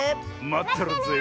まってるぜ。